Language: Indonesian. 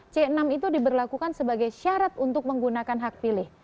c enam itu diberlakukan sebagai syarat untuk menggunakan hak pilih